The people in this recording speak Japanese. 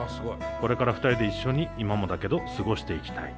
「これから２人で一緒に今もだけど過ごしていきたい。